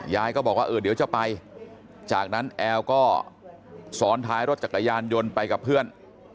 ยายก็บอกว่าเออเดี๋ยวจะไปจากนั้นแอลก็ซ้อนท้ายรถจักรยานยนต์ไปกับเพื่อน